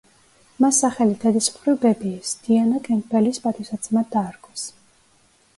მას სახელი დედის მხრივ ბებიის, დიანა კემპბელის პატივსაცემად დაარქვეს.